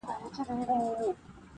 نه پوهېږم پر دې لاره څرنګه ولاړم -